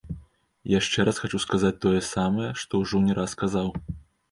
Яшчэ раз хачу сказаць тое самае, што ўжо не раз казаў.